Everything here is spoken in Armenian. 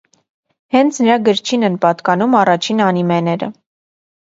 Հենց նրա գրչին են պատկանում առաջին անիմեները։